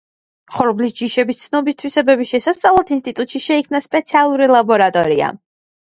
ხორბლის ჯიშების ცხობის თვისებების შესასწავლად ინსტიტუტში შეიქმნა სპეციალური ლაბორატორია.